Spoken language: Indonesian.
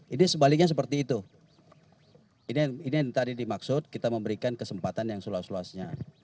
ini sebaliknya seperti itu ini yang tadi dimaksud kita memberikan kesempatan yang seluas luasnya